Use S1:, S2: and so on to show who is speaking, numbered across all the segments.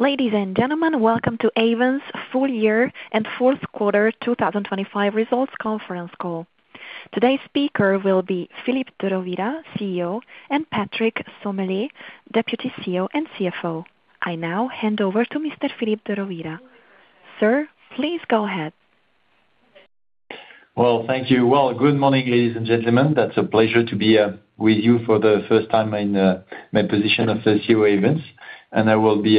S1: Ladies and gentlemen, welcome to Ayvens's Full Year and Fourth Quarter 2025 Results Conference Call. Today's speaker will be Philippe de Rovira, CEO, and Patrick Sommelet, Deputy CEO and CFO. I now hand over to Mr. Philippe de Rovira. Sir, please go ahead.
S2: Well, thank you. Well, good morning, ladies and gentlemen. That's a pleasure to be with you for the first time in my position of the CEO of Ayvens, and I will be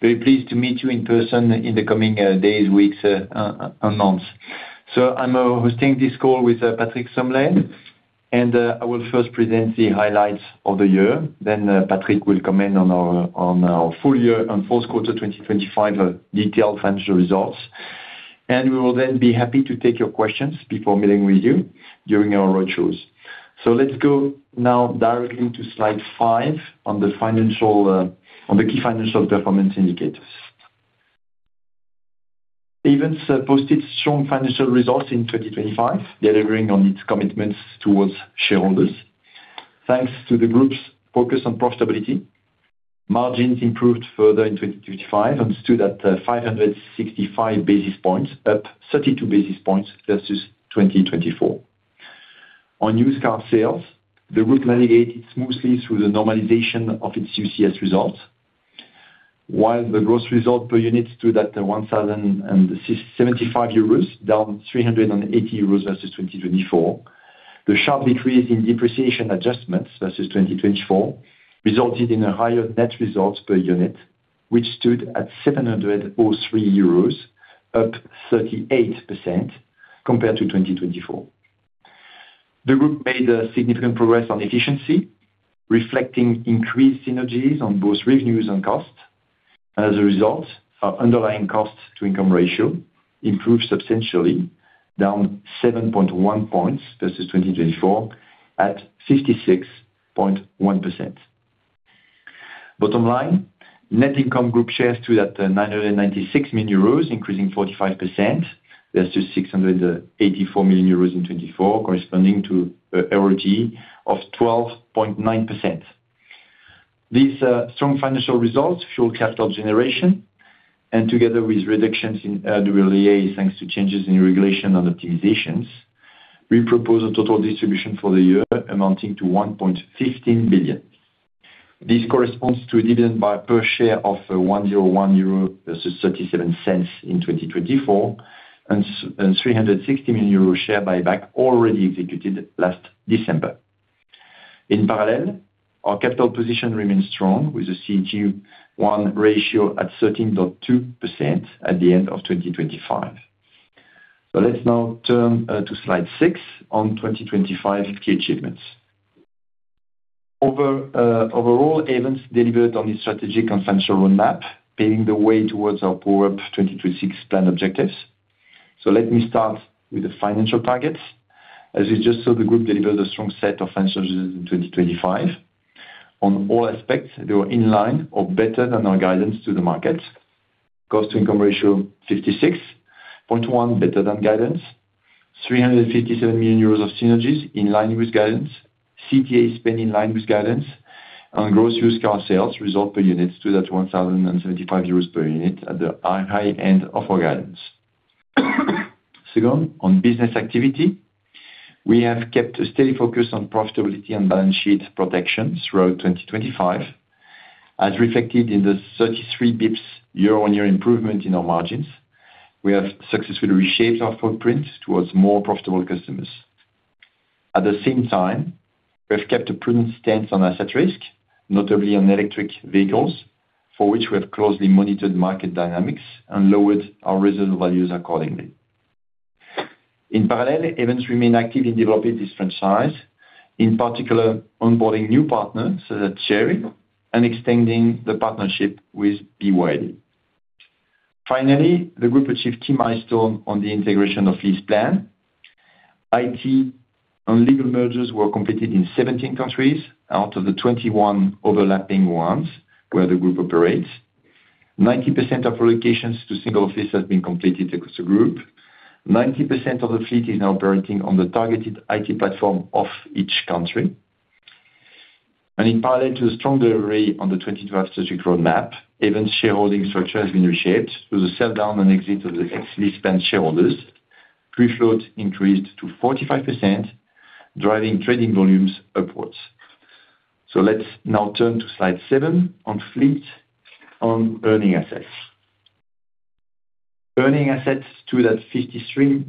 S2: very pleased to meet you in person in the coming days, weeks, and months. So I'm hosting this call with Patrick Sommelet, and I will first present the highlights of the year, then Patrick will comment on our full year and fourth quarter 2025 detailed financial results. And we will then be happy to take your questions before meeting with you during our road shows. So let's go now directly to slide 5 on the financial, on the key financial performance indicators. Ayvens posted strong financial results in 2025, delivering on its commitments towards shareholders. Thanks to the group's focus on profitability, margins improved further in 2025 and stood at 565 basis points, up 32 basis points versus 2024. On used car sales, the group navigated smoothly through the normalization of its used cars results. While the gross result per unit stood at 1,675 euros, down 380 euros versus 2024, the sharp decrease in depreciation adjustments versus 2024 resulted in a higher net result per unit, which stood at 703 euros, up 38% compared to 2024. The group made a significant progress on efficiency, reflecting increased synergies on both revenues and costs. As a result, our underlying cost to income ratio improved substantially, down 7.1 points versus 2024, at 56.1%. Bottom line, net income group shares stood at 996 million euros, increasing 45%. That's just 684 million euros in 2024, corresponding to a ROTE of 12.9%. These strong financial results fuel capital generation, and together with reductions in RWA, thanks to changes in regulation and optimizations, we propose a total distribution for the year amounting to 1.15 billion. This corresponds to a dividend per share of 1.01 euro versus 0.37 EUR in 2024, and 360 million euro share buyback already executed last December. In parallel, our capital position remains strong, with a CET1 ratio at 13.2% at the end of 2025. So let's now turn to slide 6 on 2025 key achievements. Overall, Ayvens delivered on its strategic and financial roadmap, paving the way towards our PowerUP 2026 plan objectives. So let me start with the financial targets. As you just saw, the group delivered a strong set of financials in 2025. On all aspects, they were in line or better than our guidance to the market. Cost to income ratio 56.1, better than guidance. 357 million euros of synergies, in line with guidance. CTA spent in line with guidance. On gross used car sales, result per unit stood at 1,075 euros per unit at the high, high end of our guidance. Second, on business activity, we have kept a steady focus on profitability and balance sheet protection throughout 2025, as reflected in the 33 basis points year-on-year improvement in our margins. We have successfully reshaped our footprint towards more profitable customers. At the same time, we have kept a prudent stance on asset risk, notably on electric vehicles, for which we have closely monitored market dynamics and lowered our residual values accordingly. In parallel, Ayvens remains active in developing this franchise, in particular, onboarding new partners, such as Chery and extending the partnership with BYD. Finally, the group achieved key milestone on the integration of LeasePlan. IT and legal mergers were completed in 17 countries out of the 21 overlapping ones where the group operates. 90% of relocations to single office has been completed across the group. 90% of the fleet is now operating on the targeted IT platform of each country. And in parallel to the strong delivery on the 2012 strategic roadmap, Ayvens shareholding structure has been reshaped with a sell-down and exit of the ex-LeasePlan shareholders. Free float increased to 45%, driving trading volumes upwards. So let's now turn to slide 7 on fleet, on earning assets. Earning assets stood at 53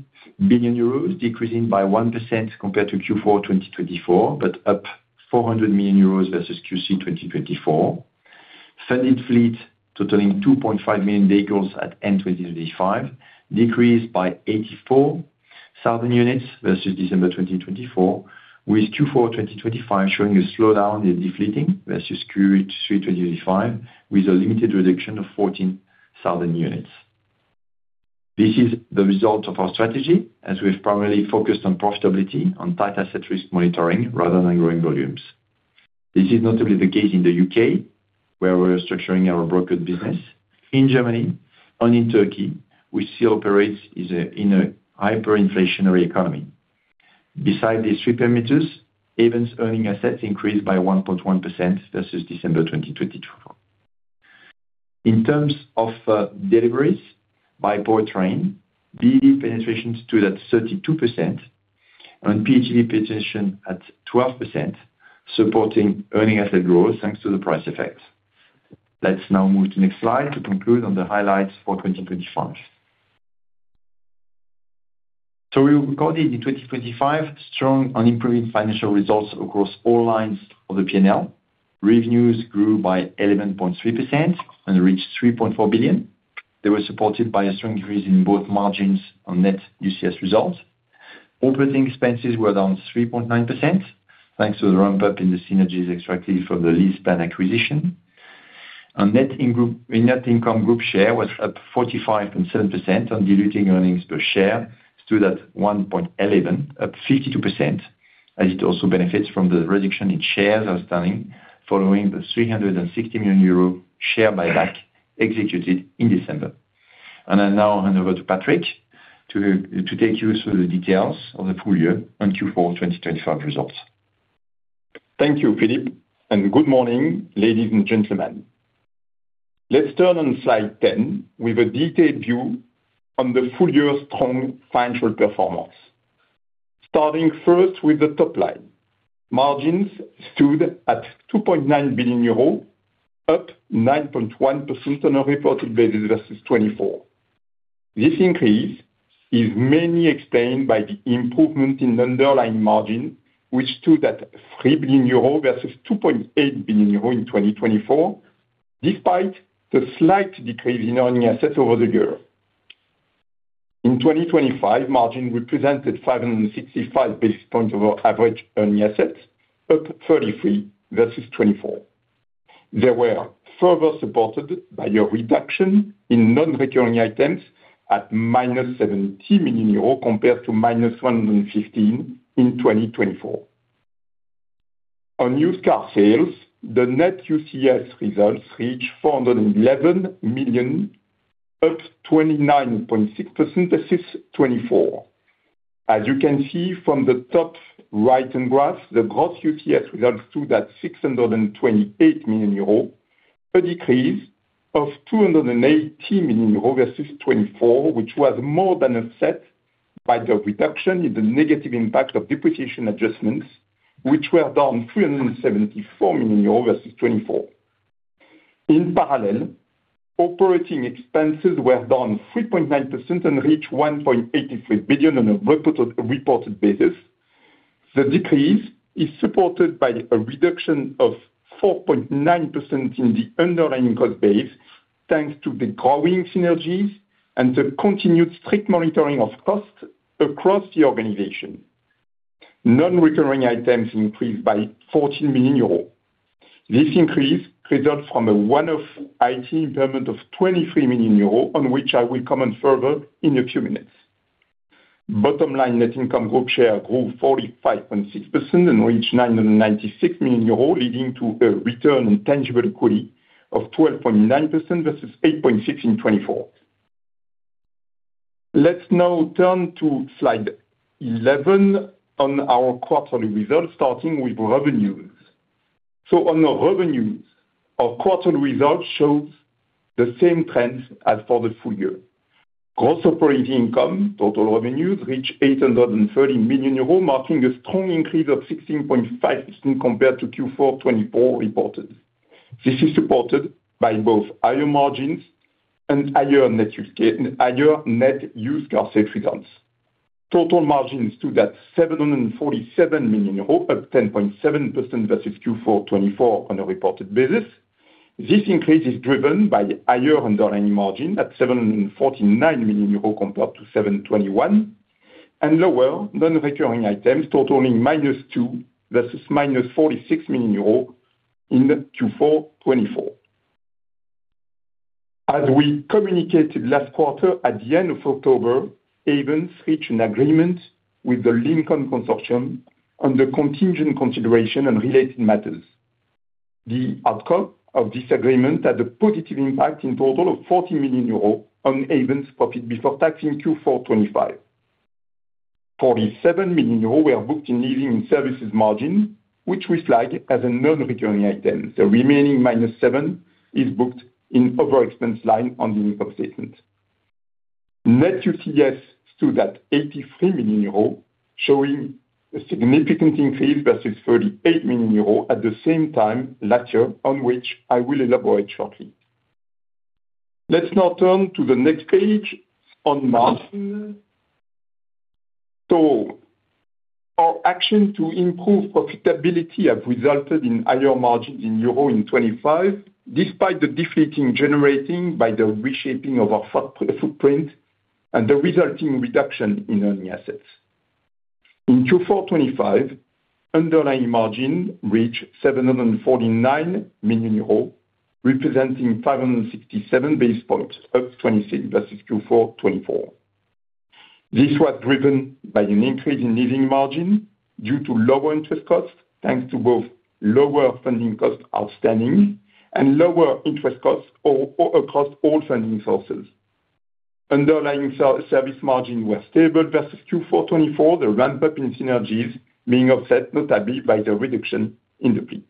S2: billion euros, decreasing by 1% compared to Q4 2024, but up 400 million euros versus Q1 2024. Funded fleet, totaling 2.5 million vehicles at end 2025, decreased by 84,000 units versus December 2024, with Q4 2025 showing a slowdown in de-fleeting versus Q3 2025, with a limited reduction of 14,000 units. This is the result of our strategy, as we've primarily focused on profitability, on tight asset risk monitoring rather than growing volumes. This is notably the case in the UK, where we're structuring our brokered business, in Germany and in Turkey, which still operates in a hyperinflationary economy. Besides these three parameters, Ayvens earning assets increased by 1.1% versus December 2022. In terms of deliveries by powertrain, BEV penetration stood at 32%, and PHEV penetration at 12%, supporting earning asset growth, thanks to the price effect. Let's now move to next slide to conclude on the highlights for 2025. So we recorded in 2025 strong and improving financial results across all lines of the P&L. Revenues grew by 11.3% and reached 3.4 billion. They were supported by a strong increase in both margins on net UCS results. Operating expenses were down 3.9%, thanks to the ramp-up in the synergies extracted from the LeasePlan acquisition. On net income group share was up 45.7% on diluted earnings per share, stood at 1.11, up 52%, as it also benefits from the reduction in shares outstanding following the 360 million euro share buyback executed in December. I now hand over to Patrick to take you through the details of the full year on Q4 2025 results.
S3: Thank you, Philippe, and good morning, ladies and gentlemen. Let's turn on slide 10 with a detailed view on the full year strong financial performance. Starting first with the top line. Margins stood at 2.9 billion euros, up 9.1% on a reported basis versus 2024. This increase is mainly explained by the improvement in underlying margin, which stood at 3 billion euro versus 2.8 billion euro in 2024, despite the slight decrease in earning assets over the year. In 2025, margin represented 565 basis points over average earning assets, up 33 versus 2024. They were further supported by a reduction in non-recurring items at -70 million euros, compared to -115 in 2024. On used car sales, the net UCS results reached 411 million, up 29.6% versus 2024. As you can see from the top right-hand graph, the gross UCS results stood at 628 million euro, a decrease of 280 million euro versus 2024, which was more than offset by the reduction in the negative impact of depreciation adjustments, which were down 374 million euros versus 2024. In parallel, operating expenses were down 3.9% and reached 1.83 billion on a reported basis. The decrease is supported by a reduction of 4.9% in the underlying cost base, thanks to the growing synergies and the continued strict monitoring of costs across the organization. Non-recurring items increased by 14 million euros. This increase results from a one-off IT impairment of 23 million euros, on which I will comment further in a few minutes. Bottom line, net income group share grew 45.6% and reached 996 million euros, leading to a return on tangible equity of 12.9% versus 8.6 in 2024. Let's now turn to slide 11 on our quarterly results, starting with revenues. So on the revenues, our quarterly results shows the same trends as for the full year. Gross operating income, total revenues, reached 830 million euros, marking a strong increase of 16.5% compared to Q4 2024 reported. This is supported by both higher margins and higher net used car sales results. Total margins stood at 747 million euros, up 10.7% versus Q4 2024 on a reported basis. This increase is driven by higher underlying margin at 749 million euro, compared to 721, and lower non-recurring items, totaling -2 million versus -46 million euro in Q4 2024. As we communicated last quarter, at the end of October, Ayvens reached an agreement with the Lincoln Consortium on the contingent consideration and related matters. The outcome of this agreement had a positive impact in total of 40 million euros on Ayvens profit before tax in Q4 2025. 47 million euros were booked in leasing and services margin, which we flag as a non-recurring item. The remaining -7 is booked in other expense line on the income statement. Net UCS stood at 83 million euros, showing a significant increase versus 38 million euros at the same time last year, on which I will elaborate shortly. Let's now turn to the next page on margin. So our action to improve profitability have resulted in higher margins in euro in 2025, despite the deleveraging generated by the reshaping of our footprint and the resulting reduction in earning assets. In Q4 2025, underlying margin reached 749 million euros, representing 567 basis points, up 26 versus Q4 2024. This was driven by an increase in leasing margin due to lower interest costs, thanks to both lower funding costs outstanding and lower interest costs across all funding sources. Underlying service margin was stable versus Q4 2024, the ramp-up in synergies being offset notably by the reduction in the fleet.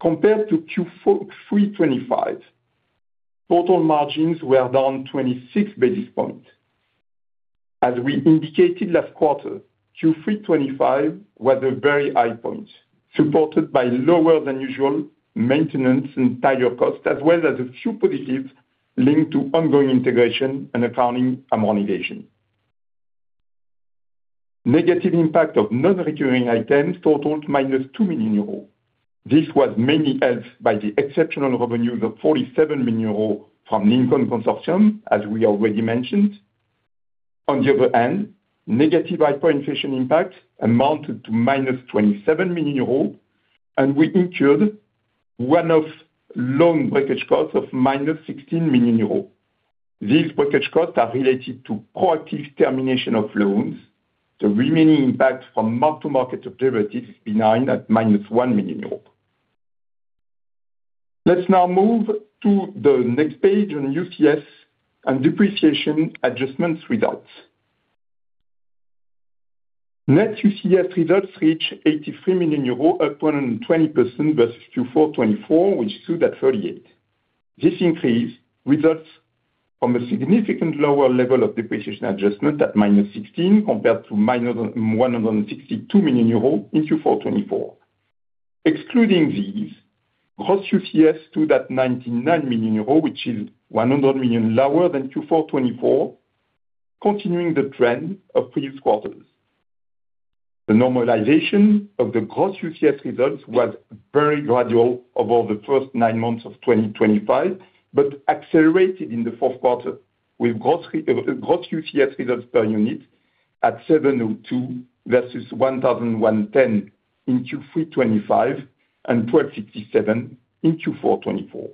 S3: Compared to Q4 2023, total margins were down 26 basis points. As we indicated last quarter, Q3 2025 was a very high point, supported by lower than usual maintenance and tire costs, as well as a few positives linked to ongoing integration and accounting amortization. Negative impact of non-recurring items totaled -2 million euros. This was mainly helped by the exceptional revenue of 47 million euros from Lincoln Consortium, as we already mentioned. On the other hand, negative hyperinflation impact amounted to -27 million euros, and we incurred one-off loan breakage costs of -16 million euros. These breakage costs are related to proactive termination of loans. The remaining impact from mark-to-market derivatives is benign at -1 million euro. Let's now move to the next page on UCS and depreciation adjustments results. Net UCS results reach 83 million euros, up 120% versus Q4 2024, which stood at 38. This increase results from a significant lower level of depreciation adjustment at minus 16, compared to minus 162 million euros in Q4 2024. Excluding these, gross UCS stood at 99 million euros, which is 100 million lower than Q4 2024, continuing the trend of previous quarters. The normalization of the gross UCS results was very gradual over the first nine months of 2025, but accelerated in the fourth quarter, with gross UCS results per unit at 702 versus 1,010 in Q3 2025, and 1,267 in Q4 2024.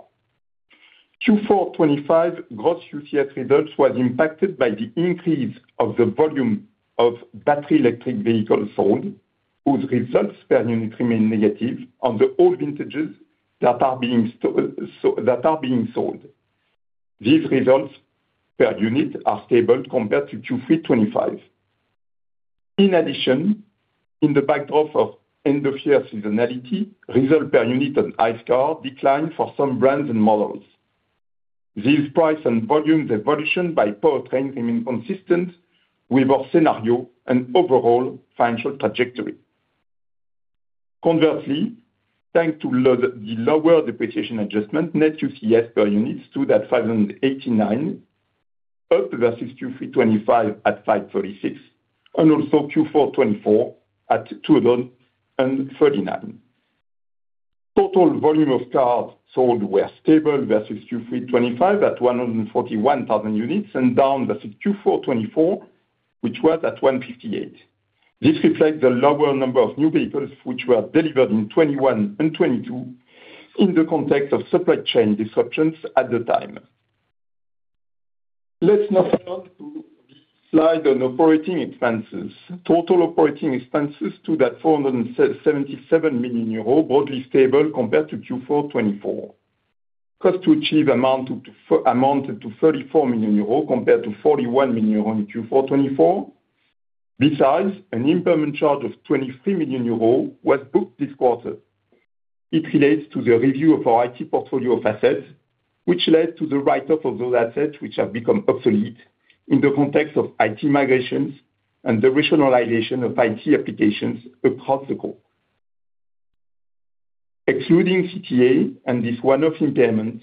S3: Q4 2025 gross UCS results was impacted by the increase of the volume of battery electric vehicles sold, whose results per unit remain negative on the old vintages that are being so, that are being sold. These results per unit are stable compared to Q3 2025. In addition, in the backdrop of end-of-year seasonality, result per unit on ICE car declined for some brands and models. These price and volume evolution by powertrain remain consistent with our scenario and overall financial trajectory. Conversely, thanks to the lower depreciation adjustment, net UCS per unit stood at 589, up versus Q3 2025 at 536, and also Q4 2024 at 239. Total volume of cars sold were stable versus Q3 2025, at 141,000 units, and down versus Q4 2024, which was at 158. This reflects the lower number of new vehicles, which were delivered in 2021 and 2022, in the context of supply chain disruptions at the time. Let's now turn to the slide on operating expenses. Total operating expenses stood at 477 million euros, broadly stable compared to Q4 2024. Cost to achieve amounted to 34 million euros, compared to 41 million euros in Q4 2024. Besides, an impairment charge of 23 million euros was booked this quarter. It relates to the review of our IT portfolio of assets, which led to the write-off of those assets, which have become obsolete in the context of IT migrations and the rationalization of IT applications across the group. Excluding CTA and this one-off impairment,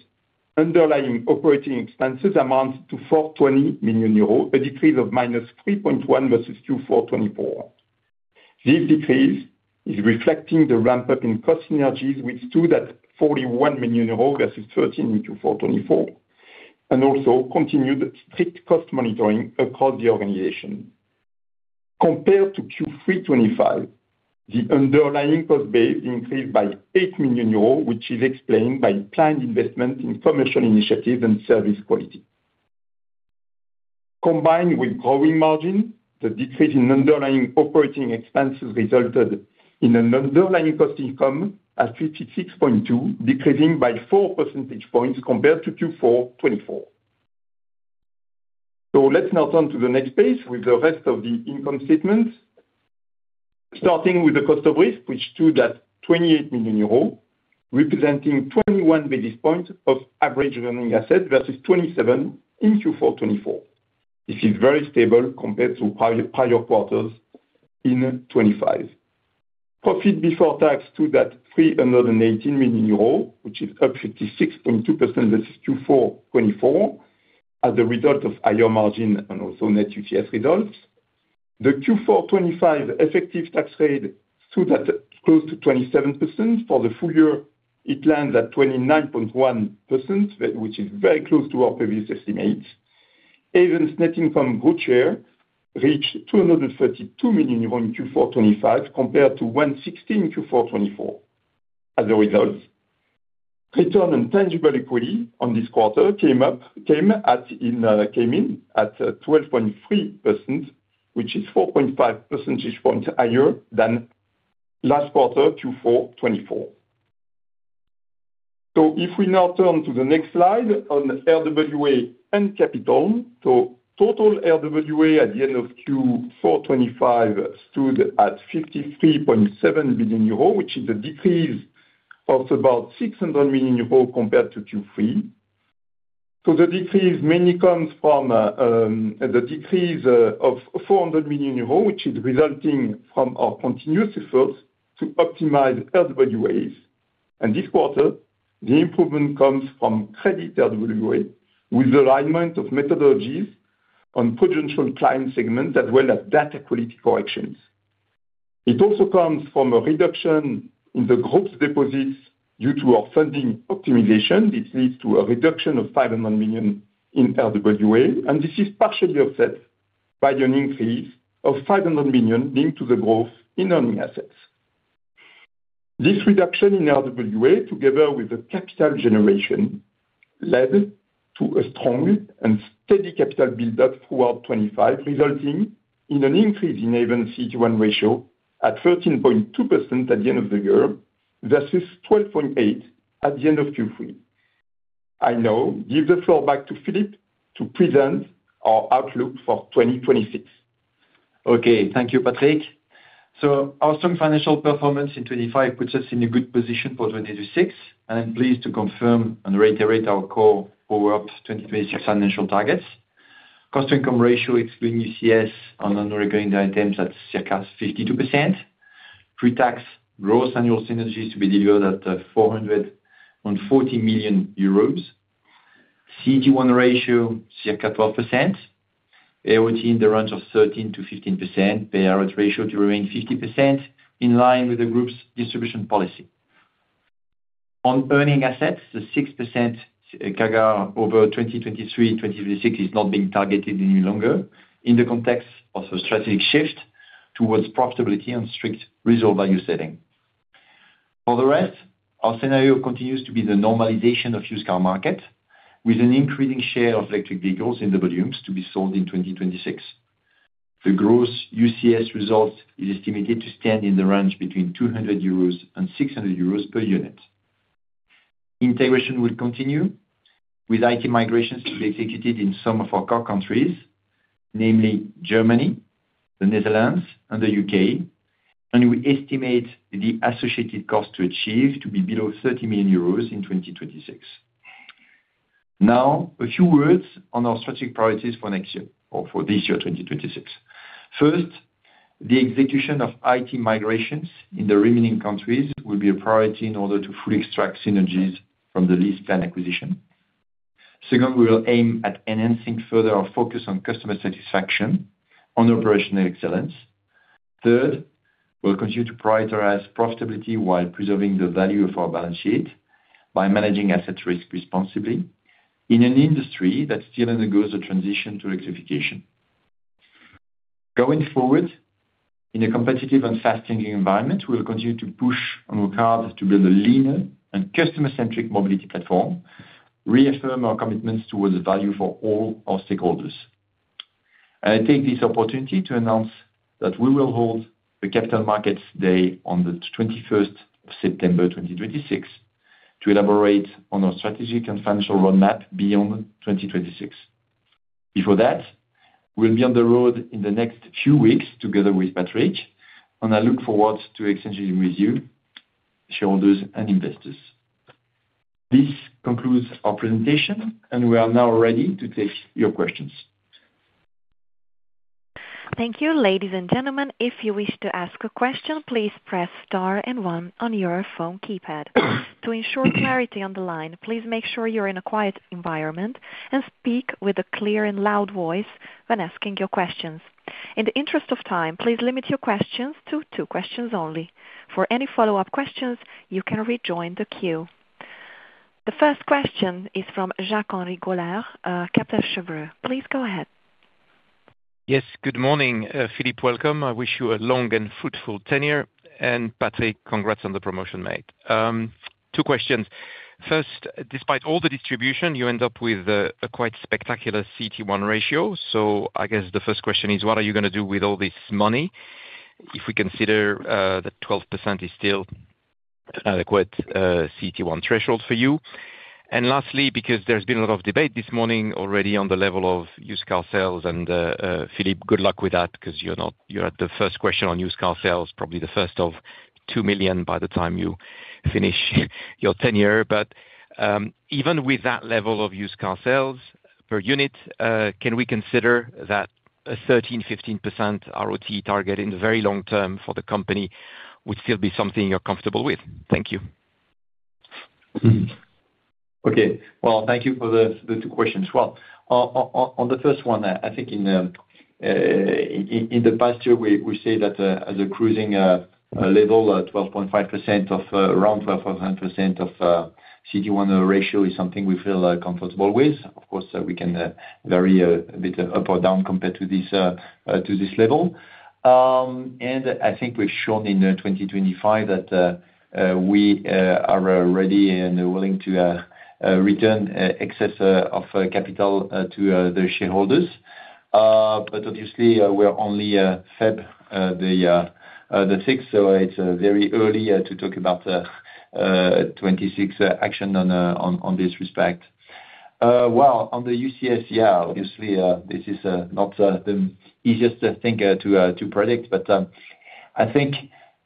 S3: underlying operating expenses amounts to 420 million euros, a decrease of -3.1% versus Q4 2024. This decrease is reflecting the ramp-up in cost synergies, which stood at 41 million euros versus 13 in Q4 2024, and also continued strict cost monitoring across the organization. Compared to Q3 2025, the underlying cost base increased by 8 million euros, which is explained by planned investment in commercial initiatives and service quality. Combined with growing margin, the decrease in underlying operating expenses resulted in an underlying cost income at 56.2, decreasing by four percentage points compared to Q4 2024. So let's now turn to the next page with the rest of the income statement. Starting with the cost of risk, which stood at 28 million euros, representing 21 basis points of average earning assets versus 27 in Q4 2024. This is very stable compared to prior, prior quarters in 2025. Profit before tax stood at 318 million euro, which is up 56.2% versus Q4 2024, as a result of higher margin and also net UCS results. The Q4 2025 effective tax rate stood at close to 27%. For the full year, it lands at 29.1%, which is very close to our previous estimate. Ayvens net income Group share reached 232 million euros in Q4 2025, compared to 116 in Q4 2024. As a result, return on tangible equity on this quarter came in at 12.3%, which is 4.5 percentage points higher than last quarter, Q4 2024. If we now turn to the next slide on RWA and capital, total RWA at the end of Q4 2025 stood at 53.7 billion euros, which is a decrease of about 600 million euros compared to Q3. The decrease mainly comes from the decrease of 400 million euros, which is resulting from our continuous efforts to optimize RWAs. This quarter, the improvement comes from credit RWA, with alignment of methodologies on potential client segments, as well as data quality corrections. It also comes from a reduction in the group's deposits due to our funding optimization. This leads to a reduction of 500 million in RWA, and this is partially offset by an increase of 500 million due to the growth in earning assets. This reduction in RWA, together with the capital generation, led to a strong and steady capital build-up throughout 2025, resulting in an increase in our CET1 ratio at 13.2% at the end of the year, versus 12.8 at the end of Q3. I now give the floor back to Philippe to present our outlook for 2026.
S2: Okay, thank you, Patrick. So our strong financial performance in 2025 puts us in a good position for 2026, and I'm pleased to confirm and reiterate our core PowerUP 2026 financial targets. Cost-to-income ratio, excluding UCS and non-recurring items, at circa 52%. Pre-tax gross annual synergies to be delivered at 440 million euros. CET1 ratio, circa 12%. ROTE in the range of 13%-15%. Payout ratio to remain 50%, in line with the group's distribution policy. On earning assets, the 6% CAGR over 2023-2026 is not being targeted any longer in the context of a strategic shift towards profitability and strict reserve value setting. For the rest, our scenario continues to be the normalization of used car market, with an increasing share of electric vehicles in the volumes to be sold in 2026. The gross UCS result is estimated to stand in the range between 200 euros and 600 euros per unit. Integration will continue, with IT migrations to be executed in some of our core countries, namely Germany, the Netherlands, and the UK, and we estimate the associated cost to achieve to be below 30 million euros in 2026. Now, a few words on our strategic priorities for next year or for this year, 2026. First, the execution of IT migrations in the remaining countries will be a priority in order to fully extract synergies from the LeasePlan acquisition. Second, we will aim at enhancing further our focus on customer satisfaction, on operational excellence. Third, we'll continue to prioritize profitability while preserving the value of our balance sheet by managing asset risk responsibly in an industry that still undergoes a transition to electrification. Going forward, in a competitive and fast-changing environment, we will continue to push on our cars to build a leaner and customer-centric mobility platform, reaffirm our commitments towards value for all our stakeholders. I take this opportunity to announce that we will hold the Capital Markets Day on the 21st of September 2026, to elaborate on our strategic and financial roadmap beyond 2026. Before that, we'll be on the road in the next few weeks, together with Patrick, and I look forward to exchanging with you, shareholders, and investors. This concludes our presentation, and we are now ready to take your questions.
S1: Thank you. Ladies and gentlemen, if you wish to ask a question, please press star and one on your phone keypad. To ensure clarity on the line, please make sure you're in a quiet environment and speak with a clear and loud voice when asking your questions. In the interest of time, please limit your questions to two questions only. For any follow-up questions, you can rejoin the queue. The first question is from Jacques-Henri Gaulard, Kepler Cheuvreux. Please go ahead.
S4: Yes, good morning, Philippe, welcome. I wish you a long and fruitful tenure, and Patrick, congrats on the promotion, mate. Two questions. First, despite all the distribution, you end up with a quite spectacular CET1 ratio. So I guess the first question is, what are you gonna do with all this money, if we consider that 12% is still adequate CET1 threshold for you? And lastly, because there's been a lot of debate this morning already on the level of used car sales, and Philippe, good luck with that, 'cause you're not—you're the first question on used car sales, probably the first of 2 million by the time you finish your tenure. Even with that level of used car sales per unit, can we consider that a 13%-15% ROTE target in the very long term for the company would still be something you're comfortable with? Thank you.
S2: Okay, well, thank you for the two questions. Well, on the first one, I think in the past year, we say that as a cruising level, 12.5% of around 12.5% of CET1 ratio is something we feel comfortable with. Of course, we can vary a bit up or down compared to this to this level. And I think we've shown in 2025 that we are ready and willing to return excess of capital to the shareholders. But obviously, we're only February the sixth, so it's very early to talk about the 2026 action on this respect. Well, on the UCS, yeah, obviously, this is not the easiest thing to predict, but I think,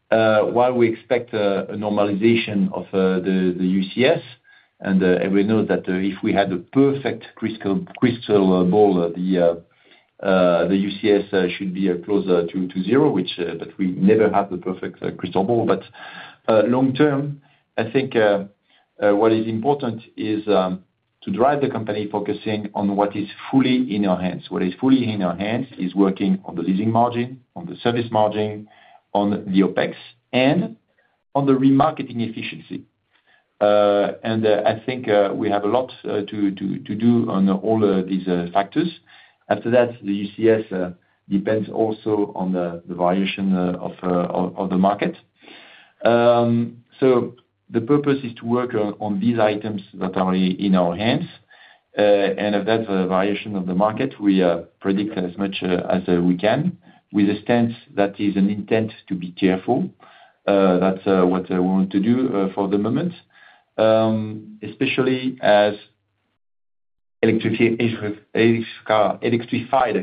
S2: while we expect a normalization of the UCS, and we know that, if we had a perfect crystal ball, the UCS should be closer to zero, which, but we never have the perfect crystal ball. But long term, I think what is important is to drive the company focusing on what is fully in our hands. What is fully in our hands is working on the leasing margin, on the service margin, on the OpEx, and on the remarketing efficiency. I think we have a lot to do on all these factors. After that, the UCS depends also on the valuation of the market. The purpose is to work on these items that are in our hands, and if that's a valuation of the market, we predict as much as we can, with a stance that is an intent to be careful. That's what I want to do for the moment. Especially as electrified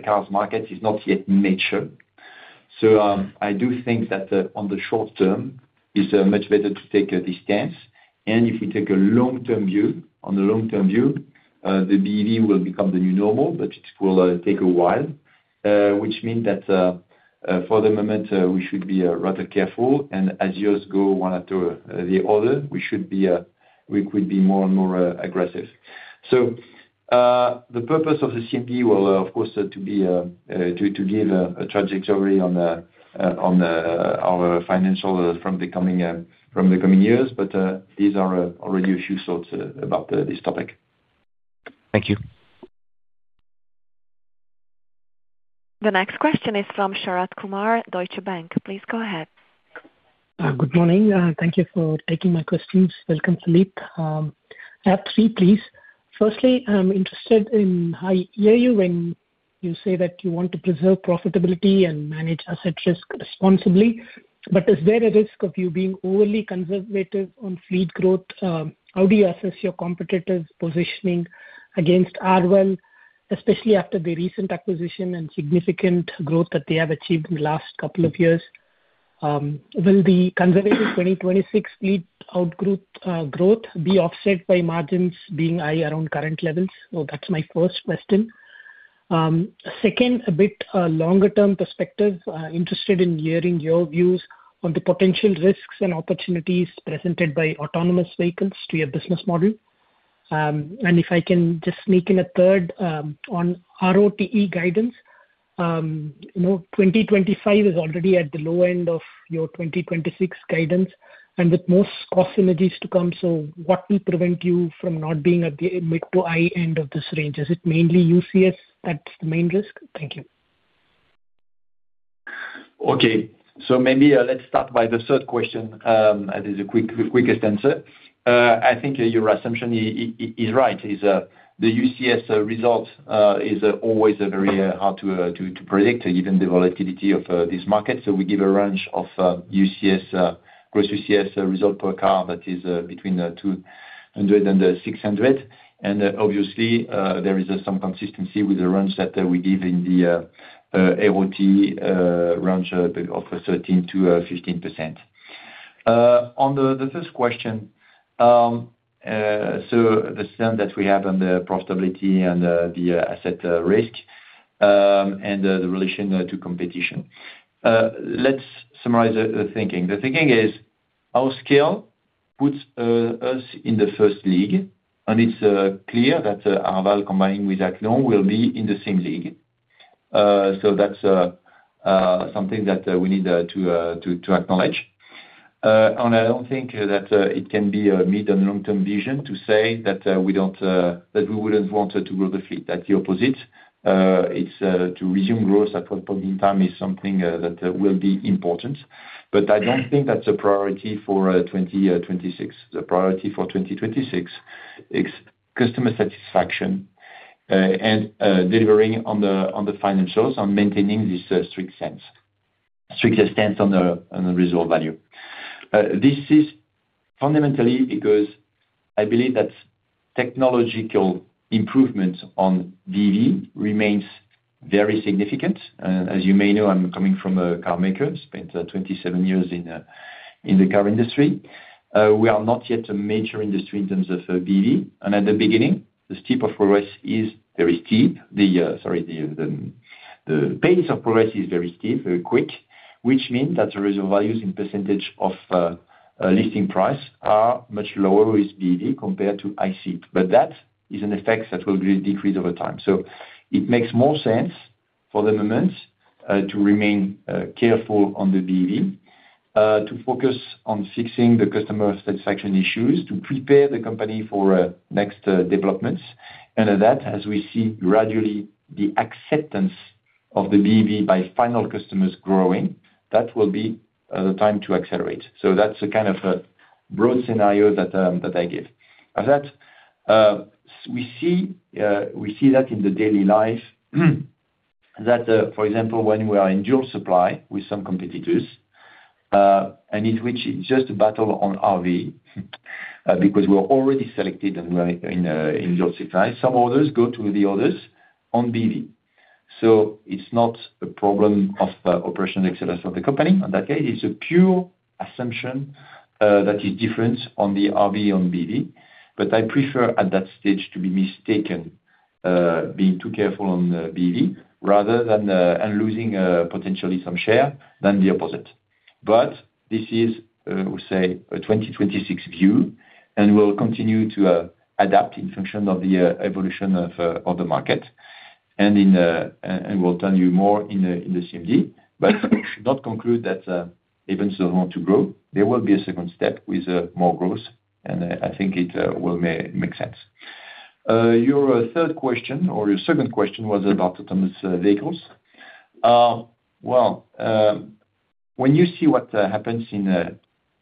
S2: cars market is not yet mature. So, I do think that, on the short term, it's much better to take this stance, and if we take a long-term view, on the long-term view, the BEV will become the new normal, but it will take a while. Which mean that, for the moment, we should be rather careful, and as years go one after the other, we should be, we could be more and more aggressive. So, the purpose of the CMD will, of course, to be, to give a trajectory on, on our financial from the coming, from the coming years, but these are already a few thoughts about this topic.
S4: Thank you.
S1: The next question is from Sharath Kumar, Deutsche Bank. Please go ahead.
S5: Good morning, and thank you for taking my questions. Welcome, Philippe. I have three, please. Firstly, I'm interested in, I hear you when you say that you want to preserve profitability and manage asset risk responsibly, but is there a risk of you being overly conservative on fleet growth? How do you assess your competitors' positioning against Arval, especially after the recent acquisition and significant growth that they have achieved in the last couple of years? Will the conservative 2026 fleet outlook growth be offset by margins being high around current levels? So that's my first question. Second, a bit longer term perspective. Interested in hearing your views on the potential risks and opportunities presented by autonomous vehicles to your business model. And if I can just sneak in a third, on ROTE guidance. You know, 2025 is already at the low end of your 2026 guidance, and with most cost synergies to come, so what will prevent you from not being at the mid to high end of this range? Is it mainly UCS, that's the main risk? Thank you.
S2: Okay. So maybe let's start by the third question, as it's the quickest answer. I think your assumption is right, the UCS result is always very hard to predict, given the volatility of this market. So we give a range of UCS gross UCS result per car that is between 200 and 600. And obviously there is some consistency with the range that we give in the ROTE range of 13%-15%. On the first question, so the stance that we have on the profitability and the asset risk and the relation to competition. Let's summarize the thinking. The thinking is, our scale puts us in the first league, and it's clear that Arval combined with Acqion will be in the same league. So that's something that we need to acknowledge. And I don't think that it can be a mid and long-term vision to say that we wouldn't want to grow the fleet. That's the opposite. It's to resume growth at some point in time is something that will be important, but I don't think that's a priority for 2026. The priority for 2026 is customer satisfaction and delivering on the financials, on maintaining this strict stance on the reserve value. This is fundamentally because I believe that technological improvements on BEV remains very significant. And as you may know, I'm coming from a carmaker, spent 27 years in the car industry. We are not yet a major industry in terms of BEV, and at the beginning, the pace of progress is very steep, very quick, which mean that the reserve values in percentage of listing price are much lower with BEV compared to ICE. But that is an effect that will re-decrease over time. So it makes more sense for the moment to remain careful on the BEV, to focus on fixing the customer satisfaction issues, to prepare the company for next developments, and that, as we see gradually the acceptance-... of the BEV by final customers growing, that will be the time to accelerate. So that's a kind of a broad scenario that, that I give. Of that, we see, we see that in the daily life, that, for example, when we are in dual supply with some competitors, and in which it's just a battle on RV, because we're already selected and we are in, in your supply. Some others go to the others on BEV. So it's not a problem of the operation excellence of the company, in that case, it's a pure assumption, that is different on the RV on BEV. But I prefer at that stage to be mistaken, being too careful on BEV, rather than and losing, potentially some share than the opposite. But this is, we say, a 2026 view, and we'll continue to adapt in function of the evolution of the market. And we'll tell you more in the CMD. But should not conclude that even so want to grow, there will be a second step with more growth, and I think it will make sense. Your third question or your second question was about autonomous vehicles. Well, when you see what happens in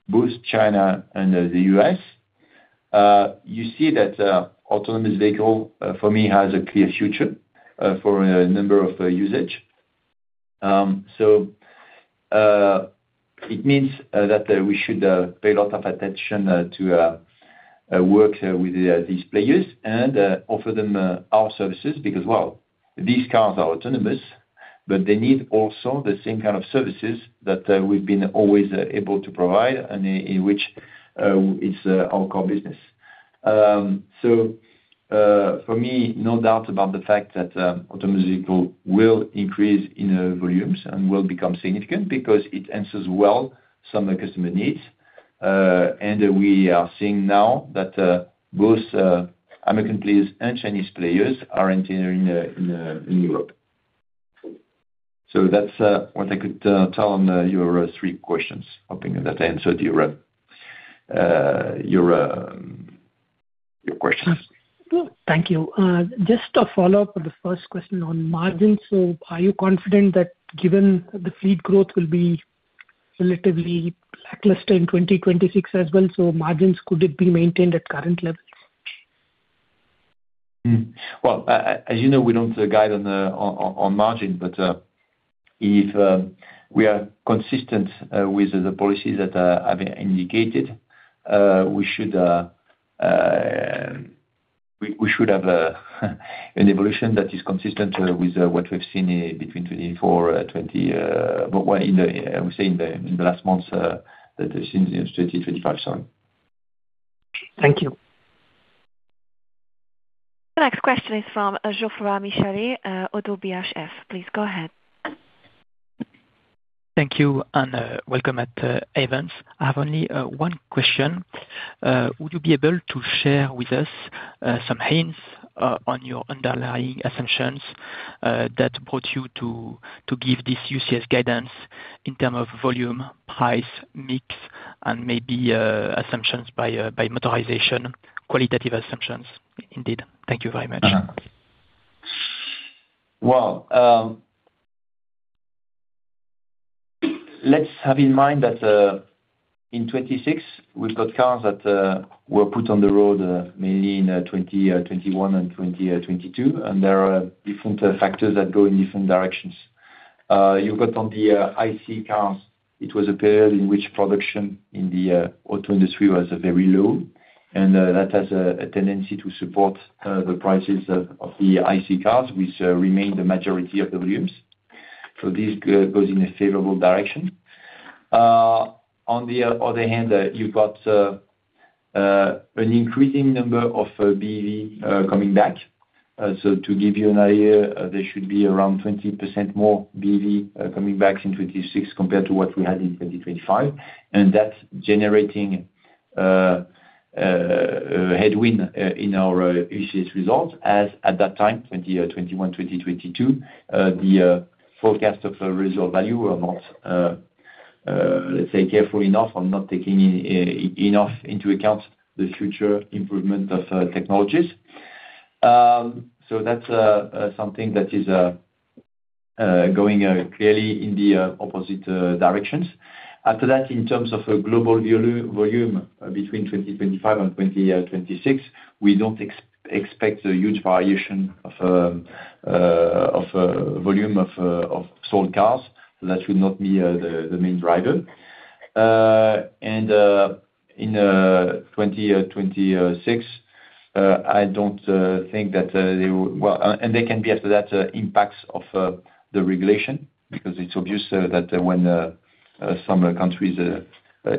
S2: both China and the U.S., you see that autonomous vehicle, for me, has a clear future for a number of usage. So, it means that we should pay a lot of attention to work with these players and offer them our services because, well, these cars are autonomous, but they need also the same kind of services that we've been always able to provide and in which it's our core business. So, for me, no doubt about the fact that autonomous vehicle will increase in volumes and will become significant because it answers well some customer needs. And we are seeing now that both American players and Chinese players are entering in Europe. So that's what I could tell on your three questions. Hoping that I answered your questions.
S5: Thank you. Just a follow-up on the first question on margins. So are you confident that given the fleet growth will be relatively lackluster in 2026 as well, so margins, could it be maintained at current levels?
S2: Hmm. Well, as you know, we don't guide on the margin, but if we are consistent with the policy that I've indicated, we should have an evolution that is consistent with what we've seen between 2024, I would say in the last months since 2025, sorry.
S5: Thank you.
S1: The next question is from Geoffroy Michalet, Oddo BHF. Please go ahead.
S6: Thank you and welcome to Ayvens. I have only one question. Would you be able to share with us some hints on your underlying assumptions that brought you to give this UCS guidance in terms of volume, price, mix, and maybe assumptions by motorization, qualitative assumptions indeed? Thank you very much.
S2: Well, let's have in mind that in 2026, we've got cars that were put on the road mainly in 2021 and 2022, and there are different factors that go in different directions. You've got on the ICE cars, it was a period in which production in the auto industry was very low, and that has a tendency to support the prices of the ICE cars, which remain the majority of the volumes. So this goes in a favorable direction. On the other hand, you've got an increasing number of BEV coming back. So to give you an idea, there should be around 20% more BEV coming back in 2026 compared to what we had in 2025. That's generating headwind in our UCS results as at that time, 2021, 2022, the forecast of the result value were not, let's say, careful enough or not taking enough into account the future improvement of technologies. So that's something that is going clearly in the opposite directions. After that, in terms of a global volume between 2025 and 2026, we don't expect a huge variation of volume of sold cars. That should not be the main driver. In 2026, I don't think that they would. Well, and they can be after that, impacts of the regulation, because it's obvious that when some countries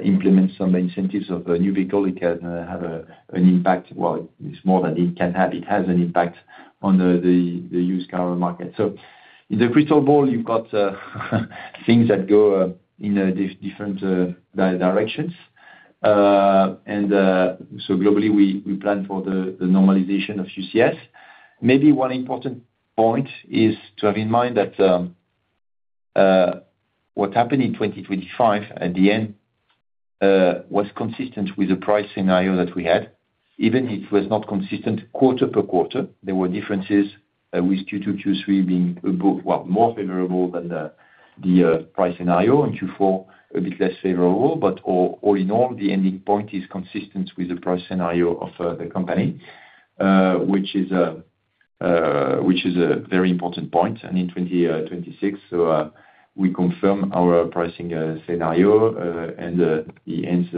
S2: implement some incentives of a new vehicle, it can have an impact. Well, it's more than it can have, it has an impact on the used car market. So in the crystal ball, you've got things that go in different directions. So globally, we plan for the normalization of UCS. Maybe one important point is to have in mind that. What happened in 2025 at the end was consistent with the price scenario that we had, even if it was not consistent quarter per quarter, there were differences with Q2, Q3 being a both, well, more favorable than the price scenario, and Q4 a bit less favorable. But all in all, the ending point is consistent with the price scenario of the company, which is which is a very important point. And in 2026, so we confirm our pricing scenario and the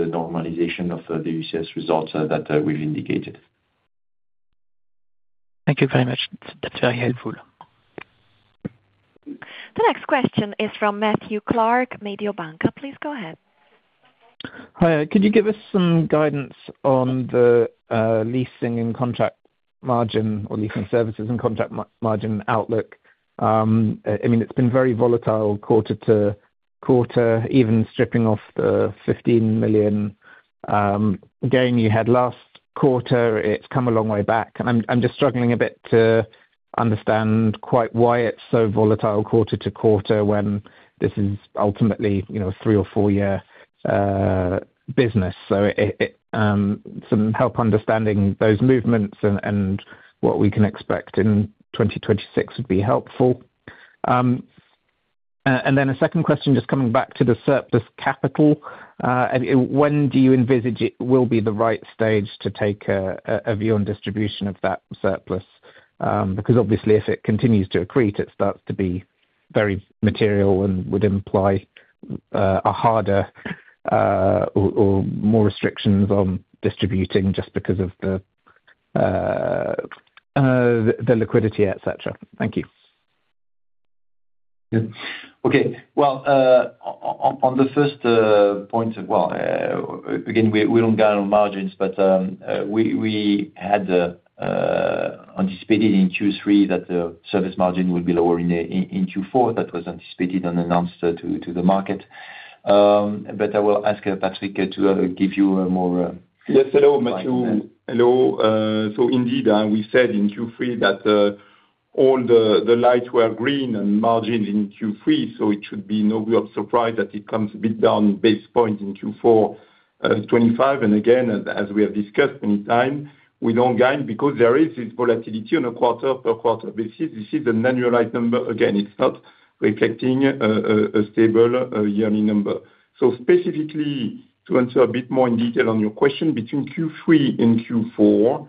S2: normalization of the UCS results that we've indicated.
S6: Thank you very much. That's very helpful.
S1: The next question is from Matthew Clark, Mediobanca. Please go ahead.
S7: Hi. Could you give us some guidance on the leasing and contract margin or leasing services and contract margin outlook? I mean, it's been very volatile quarter to quarter, even stripping off the 15 million gain you had last quarter, it's come a long way back. And I'm just struggling a bit to understand quite why it's so volatile quarter to quarter, when this is ultimately, you know, a 3- or 4-year business. So, some help understanding those movements and what we can expect in 2026 would be helpful. And then a second question, just coming back to the surplus capital, and when do you envisage it will be the right stage to take a view on distribution of that surplus? Because obviously if it continues to accrete, it starts to be very material and would imply a harder or more restrictions on distributing just because of the liquidity, et cetera. Thank you.
S2: Good. Okay. Well, on the first point, well, again, we don't guide on margins, but, we had anticipated in Q3 that the service margin would be lower in Q4. That was anticipated and announced to the market. But I will ask Patrick to give you a more
S3: Yes, hello, Matthew. Hello, so indeed, we said in Q3 that all the lights were green and margins in Q3, so it should be no real surprise that it comes a bit down 25 basis points in Q4. And again, as we have discussed many times, we don't guide, because there is this volatility on a quarter-over-quarter basis. This is the annual rate number. Again, it's not reflecting a stable yearly number. So specifically, to answer a bit more in detail on your question, between Q3 and Q4,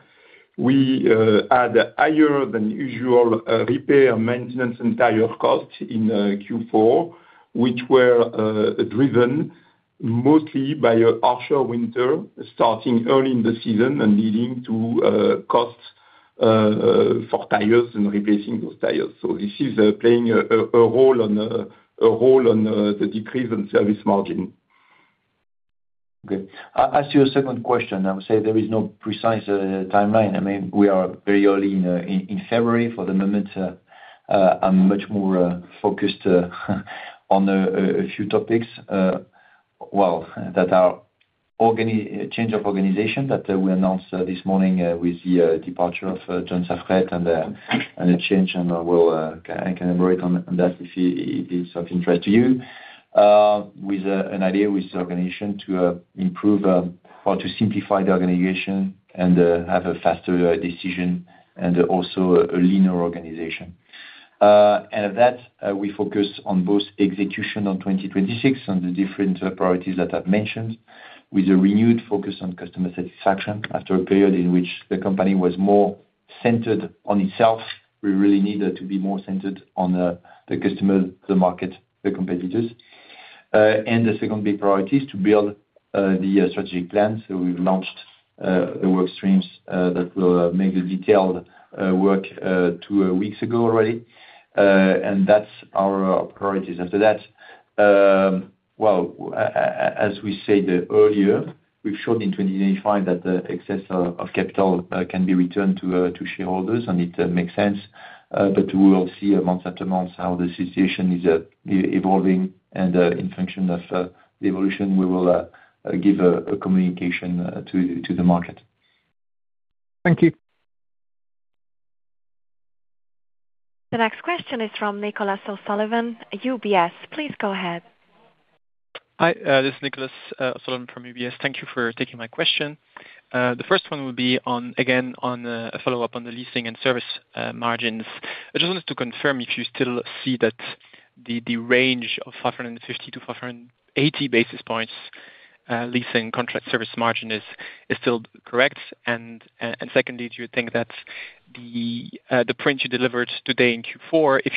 S3: we had higher than usual repair, maintenance, and tire costs in Q4, which were driven mostly by a harsher winter, starting early in the season and leading to costs for tires and replacing those tires. So this is playing a role on the decrease in service margin.
S2: Okay. As to your second question, I would say there is no precise timeline. I mean, we are very early in February. For the moment, I'm much more focused on a few topics, well, that are organizational change of organization that we announced this morning with the departure of John Saffrett and a change. And I will, I can elaborate on that if it is of interest to you. With an idea with the organization to improve or to simplify the organization and have a faster decision and also a leaner organization. And that, we focus on both execution on 2026, on the different priorities that I've mentioned, with a renewed focus on customer satisfaction, after a period in which the company was more centered on itself. We really need it to be more centered on the customer, the market, the competitors. And the second big priority is to build the strategic plan. So we've launched the work streams that will make the detailed work 2 weeks ago already. And that's our priorities. After that, well, as we said earlier, we've shown in 2025 that the excess of capital can be returned to shareholders, and it makes sense. But we will see month after month how the situation is evolving, and in function of the evolution, we will give a communication to the market.
S7: Thank you.
S1: The next question is from Nicolas O'Sullivan, UBS. Please go ahead.
S8: Hi, this is Nicolas O'Sullivan from UBS. Thank you for taking my question. The first one will be on, again, on, a follow-up on the leasing and service margins. I just wanted to confirm if you still see that the range of 550 to 580 basis points leasing contract service margin is still correct? And secondly, do you think that the print you delivered today in Q4, if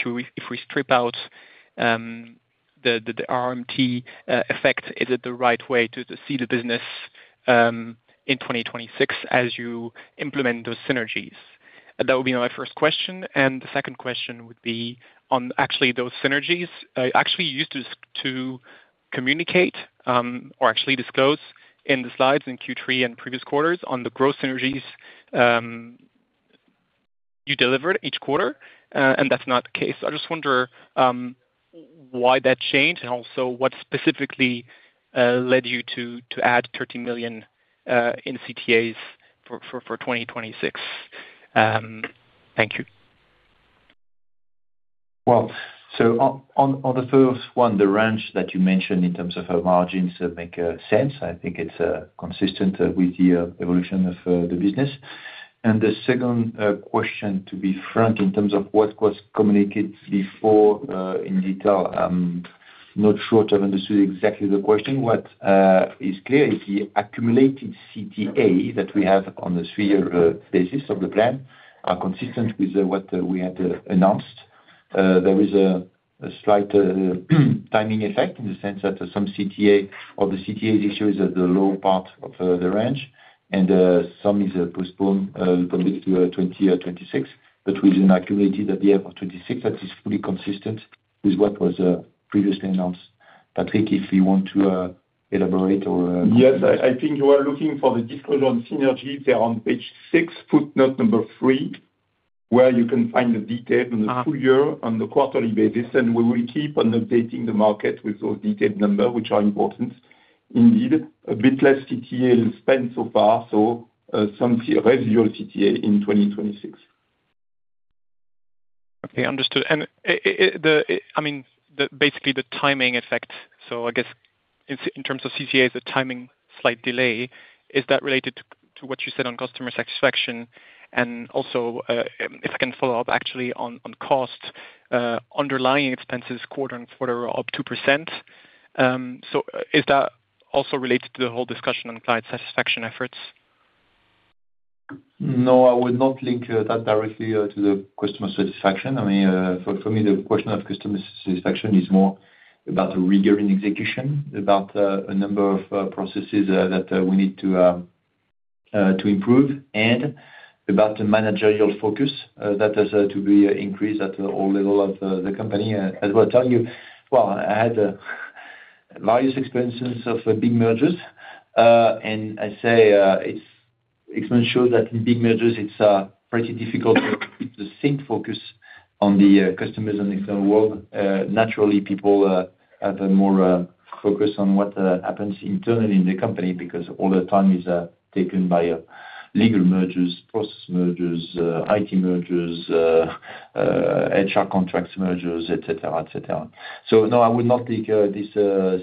S8: we strip out the RMT effect, is it the right way to see the business in 2026, as you implement those synergies? That would be my first question, and the second question would be on actually those synergies. Actually, you used to communicate, or actually disclose in the slides in Q3 and previous quarters on the growth synergies you delivered each quarter, and that's not the case. I just wonder why that changed, and also what specifically led you to add 13 million in CTAs for 2026? Thank you.
S2: Well, so on the first one, the range that you mentioned in terms of margins make sense. I think it's consistent with the evolution of the business. And the second question, to be frank, in terms of what was communicated before, in detail, I'm not sure to have understood exactly the question. What is clear is the accumulated CTA that we have on the three-year basis of the plan are consistent with what we had announced. There is a slight timing effect, in the sense that some CTA, or the CTA this year is at the low part of the range, and some is postponed probably to 2025 or 2026, but we've accumulated at the end of 2026, that is fully consistent with what was previously announced. Patrick, if you want to elaborate or
S3: Yes, I think you are looking for the disclosure on synergy. They're on page 6, footnote number 3, where you can find the detail on a full year on the quarterly basis, and we will keep on updating the market with those detailed number, which are important. Indeed, a bit less CTA spent so far, so some residual CTA in 2026.
S8: Okay, understood. And I mean, basically the timing effect, so I guess in terms of CTA, the timing slight delay, is that related to what you said on customer satisfaction? And also, if I can follow up actually on cost, underlying expenses quarter-on-quarter are up 2%, so is that also related to the whole discussion on client satisfaction efforts?
S2: No, I would not link that directly to the customer satisfaction. I mean, for me, the question of customer satisfaction is more about a rigor in execution, about a number of processes that we need to improve, and about the managerial focus that has to be increased at all level of the company. As I tell you, well, I had various experiences of big mergers, and I say, it's history shows that in big mergers it's pretty difficult to keep the same focus on the customers in the external world. Naturally, people have a more focus on what happens internally in the company, because all the time is taken by legal mergers, process mergers, IT mergers, HR contracts mergers, et cetera, et cetera. So, no, I would not link this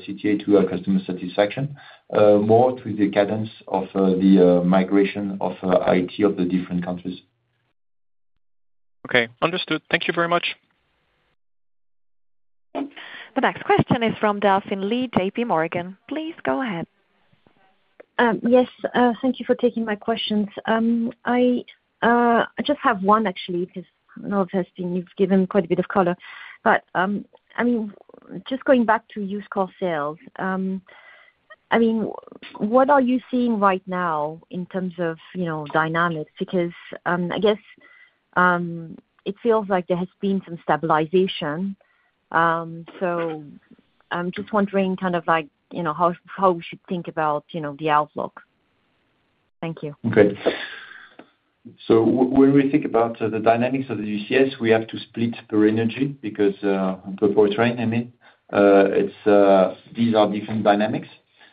S2: CTA to customer satisfaction, more to the cadence of the migration of IT of the different countries.
S8: Okay, understood. Thank you very much.
S1: The next question is from Delphine Lee, JPMorgan. Please go ahead.
S9: Yes, thank you for taking my questions. I just have one actually, because a lot has been, you've given quite a bit of color. But, I mean, just going back to used car sales, I mean, what are you seeing right now in terms of, you know, dynamics? Because, I guess, it feels like there has been some stabilization. So I'm just wondering, kind of like, you know, how we should think about, you know, the outlook. Thank you.
S2: Okay. So when we think about the dynamics of the UCS, we have to split per energy, because for terrain, I mean, it's these are different dynamics.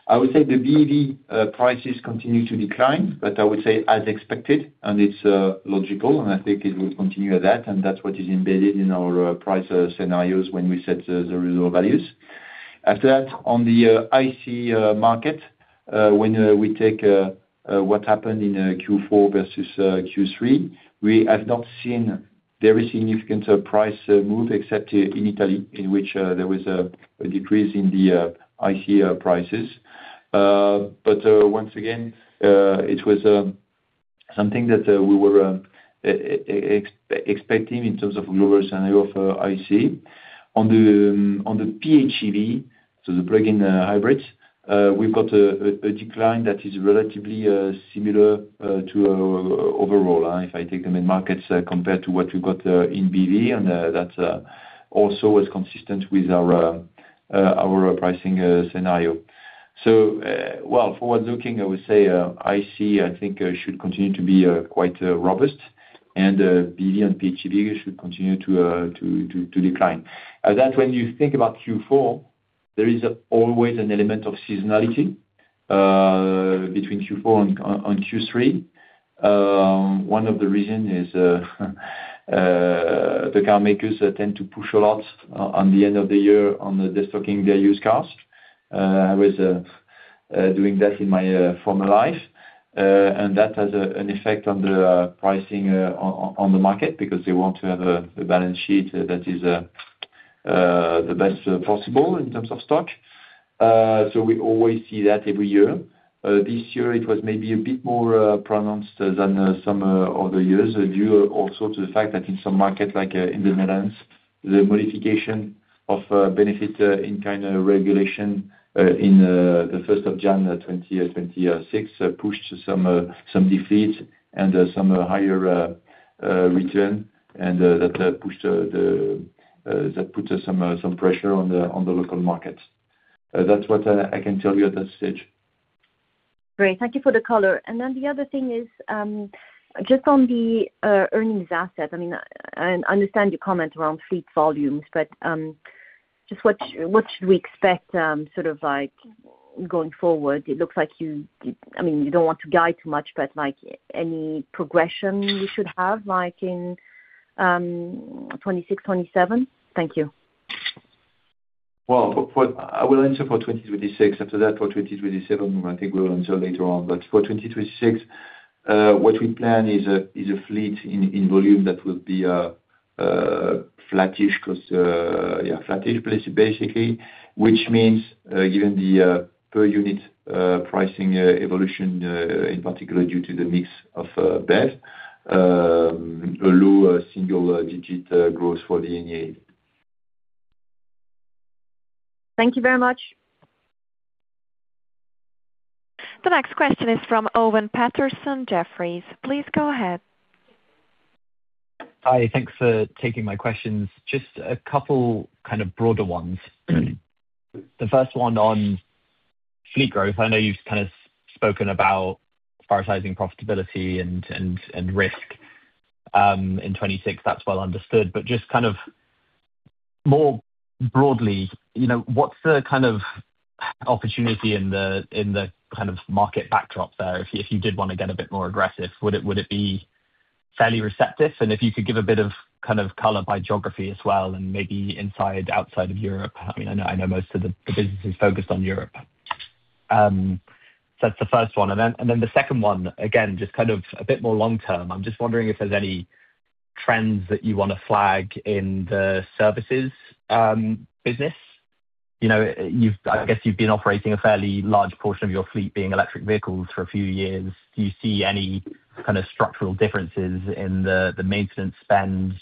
S2: I would say the BEV prices continue to decline, but I would say as expected, and it's logical, and I think it will continue at that, and that's what is embedded in our price scenarios when we set the renewal values. After that, on the ICE market, when we take what happened in Q4 versus Q3, we have not seen very significant price move, except in Italy, in which there was a decrease in the ICE prices. But once again, it was something that we were expecting in terms of global scenario for IC. On the PHEV, so the plug-in hybrids, we've got a decline that is relatively similar to overall, if I take the main markets, compared to what we got in BEV, and that also is consistent with our pricing scenario. So, well, forward looking, I would say, IC, I think, should continue to be quite robust, and BEV and PHEV should continue to decline. That, when you think about Q4, there is always an element of seasonality between Q4 and Q3. One of the reason is, the car makers tend to push a lot on the end of the year on destocking their used cars. I was doing that in my former life. And that has an effect on the pricing on the market, because they want to have a balance sheet that is the best possible in terms of stock. So we always see that every year. This year it was maybe a bit more pronounced than some other years due also to the fact that in some markets, like, in the Netherlands, the modification of benefit in kind regulation in the 1st of January 2026 pushed some defeats, and some higher return, and that pushed that put some pressure on the local markets. That's what I can tell you at that stage.
S9: Great, thank you for the color. And then the other thing is, just on the earnings asset, I mean, I understand your comment around fleet volumes, but, Just what, what should we expect, sort of like going forward? It looks like you, I mean, you don't want to guide too much, but like, any progression we should have, like in, 2026, 2027? Thank you.
S2: Well, for 2026, I will answer; after that, for 2027, I think we will answer later on. But for 2026, what we plan is a fleet in volume that will be flattish because, yeah, flattish basically, which means, given the per unit pricing evolution, in particular due to the mix of BEV, a lower single digit growth for the NEA.
S9: Thank you very much.
S1: The next question is from Owen Patterson, Jefferies. Please go ahead.
S10: Hi, thanks for taking my questions. Just a couple kind of broader ones. The first one on fleet growth. I know you've kind of spoken about prioritizing profitability and risk in 2026. That's well understood, but just kind of more broadly, you know, what's the kind of opportunity in the market backdrop there if you did want to get a bit more aggressive? Would it be fairly receptive? And if you could give a bit of kind of color by geography as well, and maybe inside, outside of Europe. I mean, I know most of the business is focused on Europe. So that's the first one, and then the second one, again, just kind of a bit more long term, I'm just wondering if there's any trends that you want to flag in the services business? You know, you've, I guess you've been operating a fairly large portion of your fleet being electric vehicles for a few years. Do you see any kind of structural differences in the maintenance spend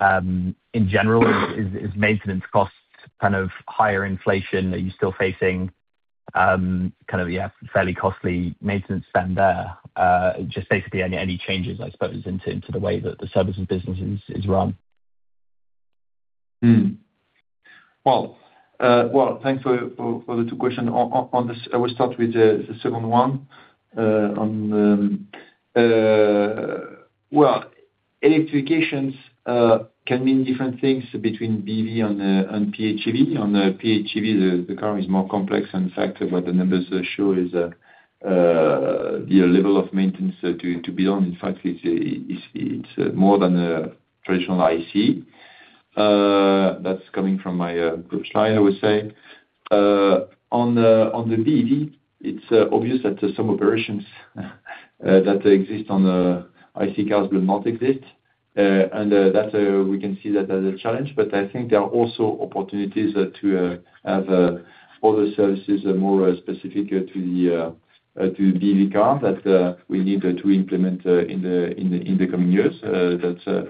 S10: in general? Is maintenance costs kind of higher inflation? Are you still facing kind of, yeah, fairly costly maintenance spend there? Just basically any changes, I suppose, into the way that the services business is run.
S2: Well, well, thanks for the two questions. On this, I will start with the second one. On well, electrifications can mean different things between BEV and PHEV. On the PHEV, the car is more complex, and in fact, what the numbers show is that the level of maintenance to build on, in fact, it's more than a traditional ICE. That's coming from my group slide, I would say. On the BEV, it's obvious that some operations that exist on the ICE cars will not exist, and that we can see that as a challenge. But I think there are also opportunities to have other services more specific to the BEV car that we need to implement in the coming years. That's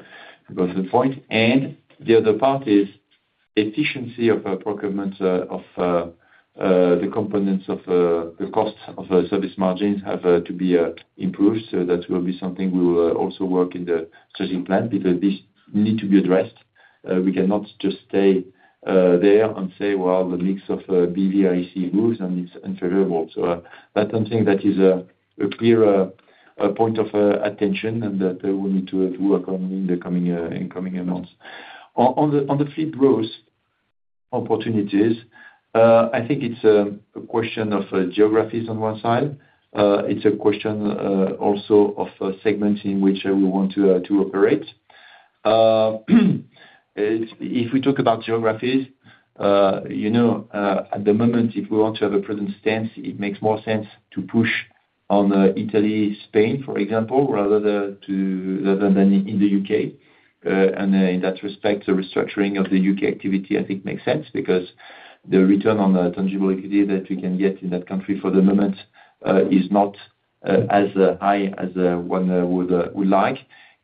S2: got the point. And the other part is efficiency of procurement of the components of the cost of service margins have to be improved. So that will be something we will also work in the strategic plan, because this need to be addressed. We cannot just stay there and say, "Well, the mix of BEV/ICE moves, and it's intolerable." So, that's something that is a clear point of attention, and that we need to work on in the coming months. I think it's a question of geographies on one side. It's a question also of segments in which we want to operate. If we talk about geographies, you know, at the moment, if we want to have a present stance, it makes more sense to push on Italy, Spain, for example, rather than to, rather than in the UK. In that respect, the restructuring of the UK activity, I think, makes sense, because the return on the tangible equity that we can get in that country for the moment is not as high as one would like.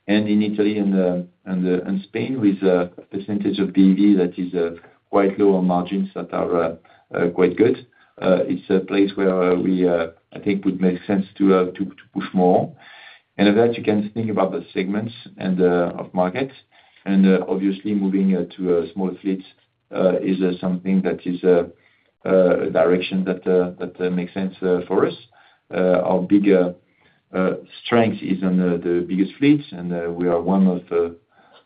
S2: And in Italy and Spain, with a percentage of BEV that is quite lower margins that are quite good. It's a place where we, I think, would make sense to push more. And that you can think about the segments and of markets, and obviously moving to smaller fleets is something that is a direction that makes sense for us. Our bigger strength is on the biggest fleets, and we are one of the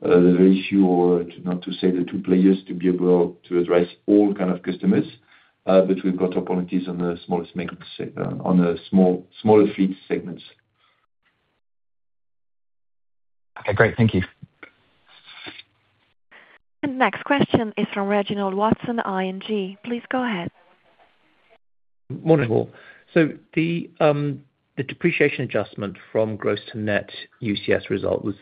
S2: very few, or not to say the two players, to be able to address all kind of customers, but we've got opportunities on the smallest market segment, on the small, smaller fleet segments.
S10: Okay, great. Thank you.
S1: The next question is from Reginald Watson, ING. Please go ahead.
S11: Morning, all. So the depreciation adjustment from gross to net UCS result was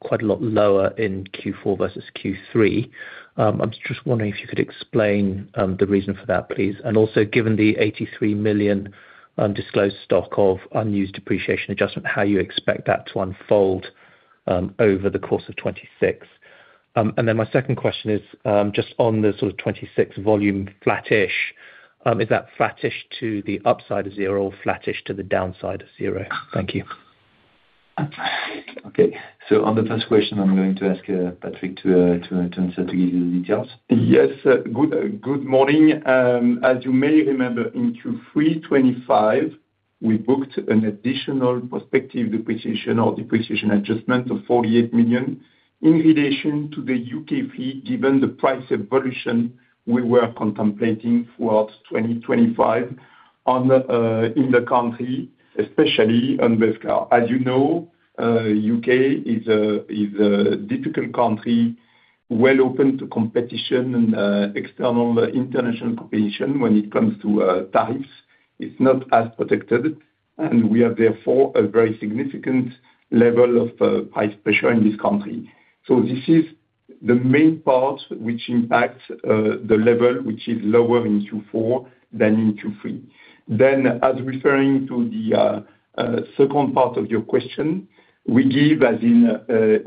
S11: quite a lot lower in Q4 versus Q3. I'm just wondering if you could explain the reason for that, please. And also, given the 83 million disclosed stock of unused depreciation adjustment, how you expect that to unfold over the course of 2026? And then my second question is just on the sort of 2026 volume, flattish, is that flattish to the upside of zero or flattish to the downside of zero? Thank you.
S2: Okay, so on the first question, I'm going to ask Patrick to answer to give you the details.
S3: Yes, good, good morning. As you may remember, in Q3 2025 we booked an additional prospective depreciation or depreciation adjustment of 48 million in relation to the UK fleet, given the price evolution we were contemplating towards 2025 on the, in the country, especially on used car. As you know, UK is a, is a difficult country, well open to competition and, external international competition when it comes to, tariffs. It's not as protected, and we have therefore a very significant level of, price pressure in this country. So this is the main part which impacts, the level, which is lower in Q4 than in Q3. Then as referring to the second part of your question, we give as in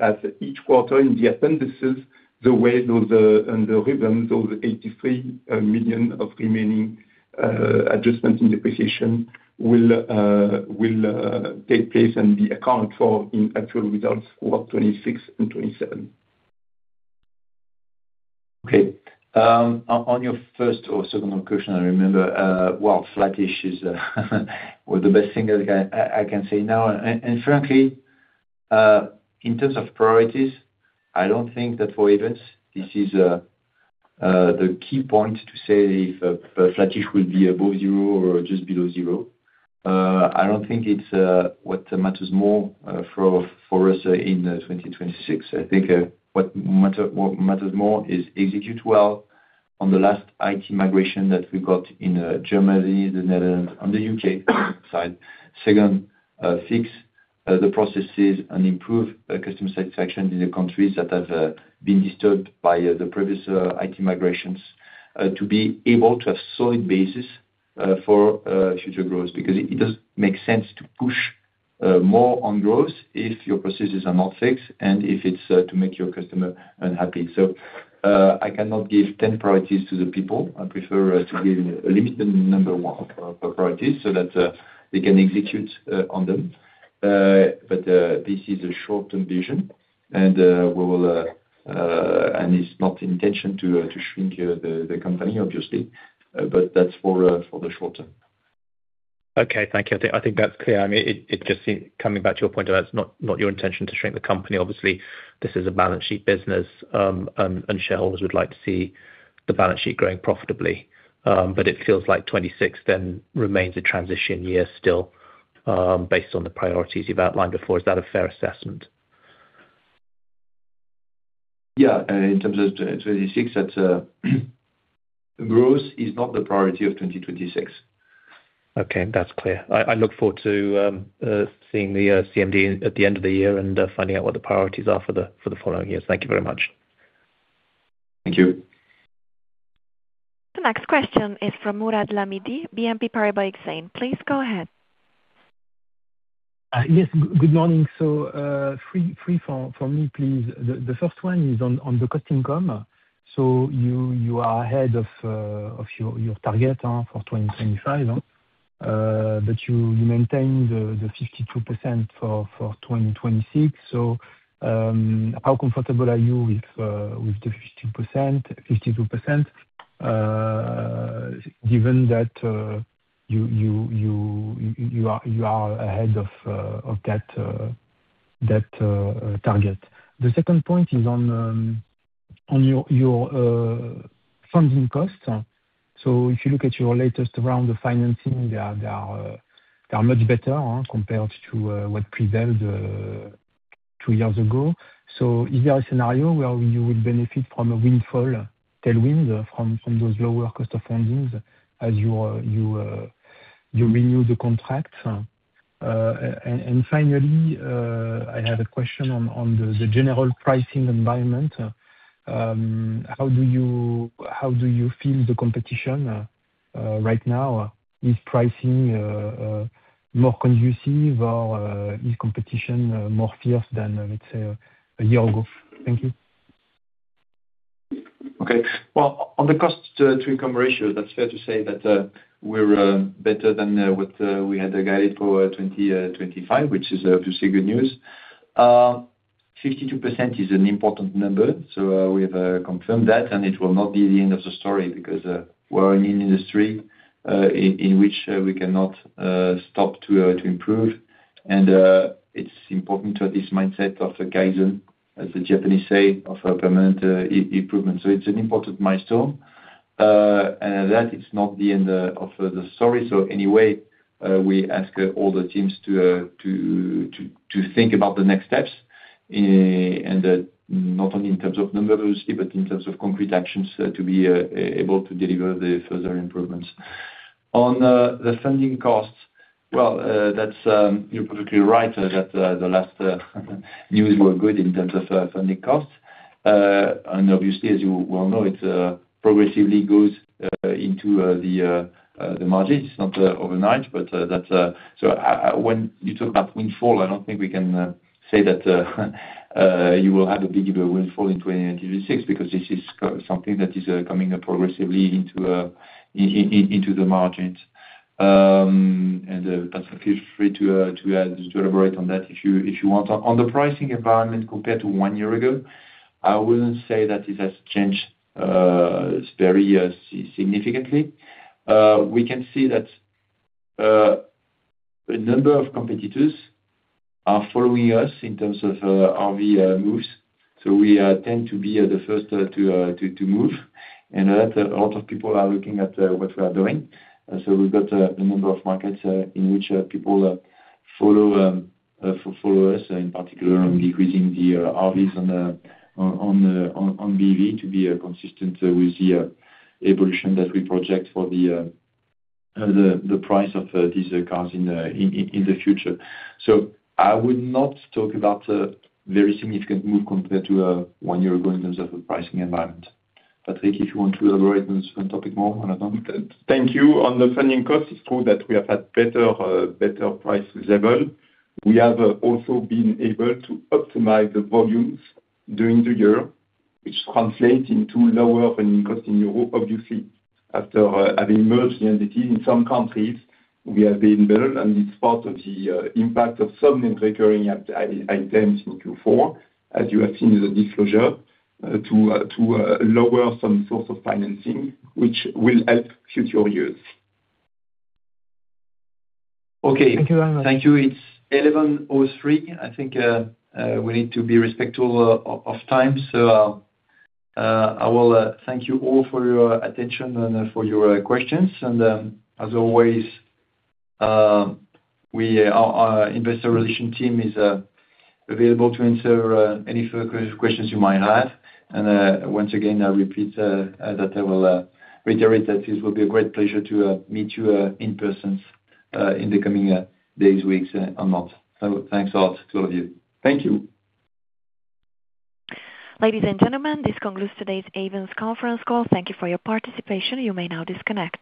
S3: as each quarter in the appendices, the way those and the rhythm, those 83 million of remaining adjustments in depreciation will take place and be accounted for in actual results for 2026 and 2027.
S2: Okay. On your first or second question, I remember well, flattish is well, the best thing I can say now. And frankly, in terms of priorities, I don't think that for Ayvens, this is the key point to say if flattish will be above zero or just below zero. I don't think it's what matters more for us in 2026. I think, what matters more is execute well on the last IT migration that we got in Germany, the Netherlands, and the UK side. Second, fix the processes and improve customer satisfaction in the countries that have been disturbed by the previous IT migrations to be able to have solid basis for future growth. Because it doesn't make sense to push more on growth if your processes are not fixed, and if it's to make your customer unhappy. So, I cannot give 10 priorities to the people. I prefer to give a limited number of priorities so that they can execute on them. But this is a short-term vision, and we will, and it's not intention to to shrink the the company, obviously, but that's for for the short term.
S11: Okay, thank you. I think, I think that's clear. I mean, it just seem, coming back to your point, that it's not your intention to shrink the company. Obviously, this is a balance sheet business, and shareholders would like to see the balance sheet growing profitably. But it feels like 2026 then remains a transition year still, based on the priorities you've outlined before. Is that a fair assessment?
S2: Yeah, in terms of 2026, that growth is not the priority of 2026.
S11: Okay, that's clear. I look forward to seeing the CMD at the end of the year and finding out what the priorities are for the following years. Thank you very much.
S2: Thank you.
S1: The next question is from Mourad Lahmidi, Exane BNP Paribas. Please go ahead.
S12: Yes, good morning. So, three from me, please. The first one is on the cost income. So you are ahead of your target for 2025, but you maintain the 52% for 2026. So, how comfortable are you with the 50%, 52%, given that you are ahead of that target? The second point is on your funding costs. So if you look at your latest round of financing, they are much better compared to what prevailed two years ago. So is there a scenario where you will benefit from a windfall tailwind from those lower cost of fundings as you renew the contract? And finally, I have a question on the general pricing environment. How do you feel the competition right now? Is pricing more conducive, or is competition more fierce than, let's say, a year ago? Thank you.
S2: Okay. Well, on the cost-to-income ratio, that's fair to say that, we're better than what we had guided for 25, which is obviously good news. 52% is an important number, so, we've confirmed that, and it will not be the end of the story, because, we're in an industry in which we cannot stop to improve. And, it's important to this mindset of the guidance, as the Japanese say, of permanent improvement. So it's an important milestone, and that is not the end of the story. So anyway, we ask all the teams to think about the next steps, and not only in terms of numbers, obviously, but in terms of concrete actions, to be able to deliver the further improvements. On the funding costs, well, that's you're perfectly right, that the last news were good in terms of funding costs. And obviously, as you well know, it progressively goes into the margins. It's not overnight, but thato I, when you talk about windfall I don't think we can say that you will have a big windfall in 2026, because this is something that is coming up progressively into the margins. But feel free to elaborate on that, if you want. On the pricing environment compared to one year ago? I wouldn't say that it has changed very significantly. We can see that a number of competitors are following us in terms of RV moves, so we tend to be the first to move, and that a lot of people are looking at what we are doing. And so we've got a number of markets in which people follow us, in particular on decreasing the RVs on BEV to be consistent with the evolution that we project for the price of these cars in the future. So I would not talk about a very significant move compared to one year ago in terms of the pricing environment. Patrick, if you want to elaborate on this one topic more, why not?
S3: Thank you. On the funding cost, it's true that we have had better, better price level. We have also been able to optimize the volumes during the year, which translates into lower funding cost in Europe. Obviously, after having merged the entity in some countries, we have been better, and it's part of the impact of some non-recurring items in Q4, as you have seen in the disclosure, to lower some source of financing, which will help future years.
S12: Okay. Thank you very much.
S2: Thank you. It's 11:03 A.M. I think we need to be respectful of time, so I will thank you all for your attention and for your questions. And as always, we, our investor relation team is available to answer any further questions you might have. And once again, I repeat that I will reiterate that it will be a great pleasure to meet you in person in the coming days, weeks, and or months. So thanks a lot to all of you.
S3: Thank you.
S1: Ladies and gentlemen, this concludes today's Ayvens conference call. Thank you for your participation. You may now disconnect.